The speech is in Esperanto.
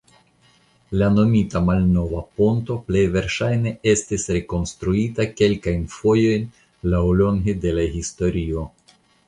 La nomita "malnova ponto" plej verŝajne estis rekonstruita kelkajn fojojn laŭlonge de la historio.